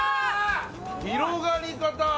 広がり方。